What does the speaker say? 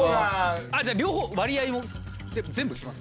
じゃあ両方割合を全部聞きます？